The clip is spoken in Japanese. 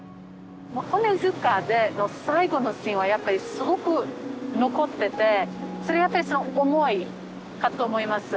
「求塚」での最後のシーンはやっぱりすごく残っててそれがやっぱりその「思い」かと思います。